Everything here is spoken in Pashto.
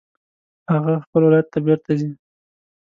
هغه خپل ولایت ته بیرته ځي